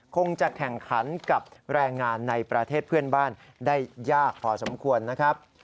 คงจะแข่งขันกับแรงงานในประเทศเพื่อนบ้านได้ยากพอสมควรนะครับ